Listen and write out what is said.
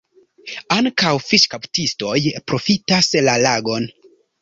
Ankaŭ fiŝkaptistoj profitas la lagon.